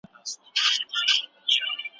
هغه وویل چې انټرنيټ یو ښه استاد دی.